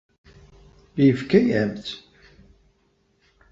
Yefka-yam-tt?